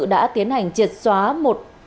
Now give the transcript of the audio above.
đã tiến hành triệt xóa một